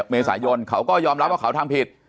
เมษายนเขาก็ยอมรับว่าเขาทำผิด